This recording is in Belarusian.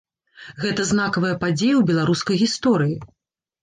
Гэта знакавая падзея ў беларускай гісторыі.